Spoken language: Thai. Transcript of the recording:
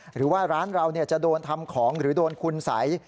หรือว่าร้านเราจะโดนทำของหรือโดนคุณสัย